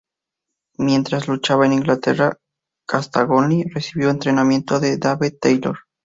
Mientras luchaba en Inglaterra, Castagnoli recibió entrenamiento de Dave Taylor.